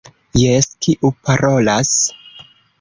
Jes, kiu parolas?